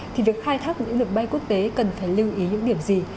thì việc khai thác những đường bay quốc tế cần phải lưu ý những điểm gì